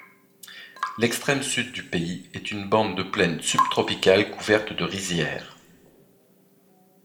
L’extrême sud du pays est une bande de plaines subtropicales couvertes de rizières.